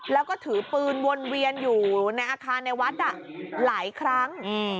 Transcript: แล้วก็ถือปืนวนเวียนอยู่ในอาคารในวัดหลายครั้ง